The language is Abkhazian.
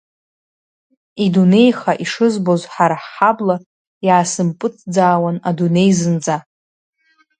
Идунеиха ишызбоз ҳара ҳҳабла, иаасымпыҵӡаауан адунеи зынӡа.